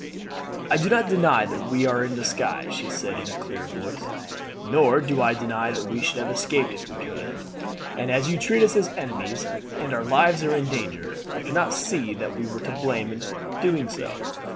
"'I do not deny that we were in disguise,' she said in her clear voice. 'Nor do I deny that we should have escaped if we could. And as you treat us as enemies, and our lives are in danger, I cannot see that we were to blame in doing so.